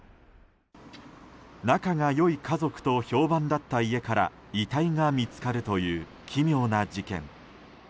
仲が良い家族と評判だった家から遺体が見つかるという奇妙な事件。